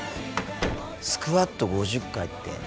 スクワット５０回って。